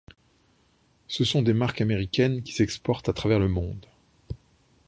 Ce sont des marques américaines qui s'exportent à travers le monde.